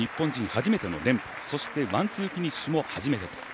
初めての連覇そしてワン・ツーフィニッシュも初めてと。